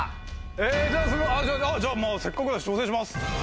えじゃあまぁせっかくだし挑戦します。